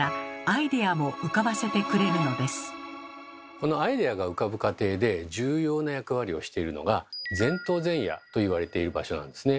このアイデアが浮かぶ過程で重要な役割をしているのが「前頭前野」と言われている場所なんですね。